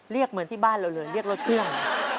เรียกเหมือนที่บ้านเราเลยเรียกรถเครื่อง